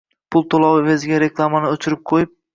Pul to’lovi evaziga reklamalarni o’chirib qo’yib